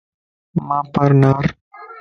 مان پار نار